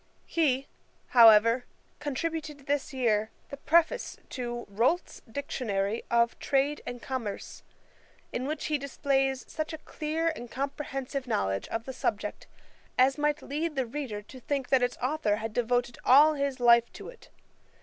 He, however, contributed this year the Preface[*] to Rolt's Dictionary of Trade and Commerce, in which he displays such a clear and comprehensive knowledge of the subject, as might lead the reader to think that its authour had devoted all his life to it.